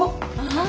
ああ。